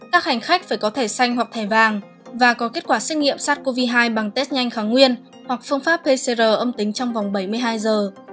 các hành khách phải có thể xanh hoặc thẻ vàng và có kết quả xét nghiệm sars cov hai bằng test nhanh kháng nguyên hoặc phương pháp pcr âm tính trong vòng bảy mươi hai giờ